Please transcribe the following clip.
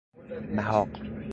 محاق